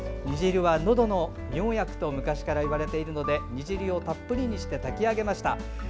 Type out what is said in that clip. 煮汁はのどの妙薬と昔からいわれているので煮汁をたっぷりにして炊き上げました。